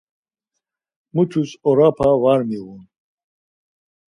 Mutuş oropa var miğun.